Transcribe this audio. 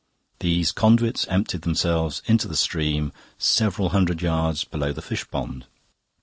These conduits emptied themselves into the stream several hundred yards below the fish pond.